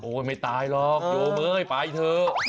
โอ้ยไม่ตายหรอกโยมเฮ้ยไปเถอะ